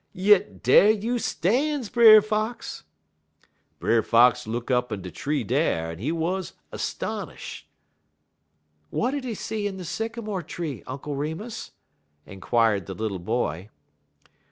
"'Yit dar you stan's, Brer Fox!' "Brer Fox look up in de tree dar, en he wuz 'stonish'." "What did he see in the sycamore tree, Uncle Remus?" inquired the little boy.